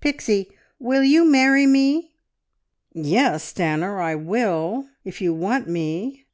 "Pixie, will you marry me?" "Yes, Stanor, I will. If you want me..."